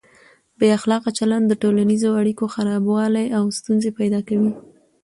بې اخلاقه چلند د ټولنیزو اړیکو خرابوالی او ستونزې پیدا کوي.